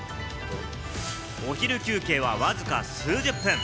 お昼休憩はわずか数十分。